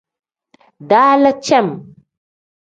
Dalam cem.